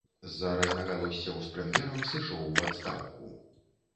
З-за рознагалоссяў з прэм'ерам сышоў у адстаўку.